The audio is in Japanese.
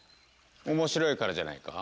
面白いからじゃないか？